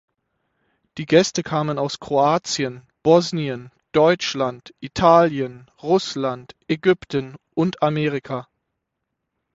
Die Gäste kamen aus Kroatien, Bosnien, Deutschland, Italien, Russland, Ägypten und Amerika.